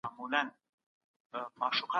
د قصاص په اړه قراني حکم واضح دی.